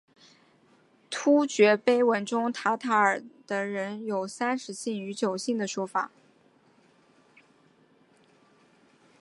突厥碑文中的塔塔尔人有三十姓与九姓的说法。